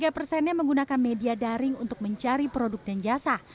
tiga persennya menggunakan media daring untuk mencari produk dan jasa